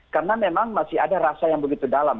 karena memang masih ada rasa yang begitu dalam